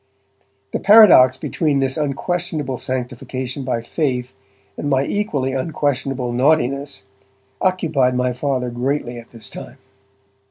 The paradox between this unquestionable sanctification by faith and my equally unquestionable naughtiness, occupied my Father greatly at this time.